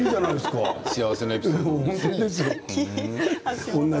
幸せなエピソード。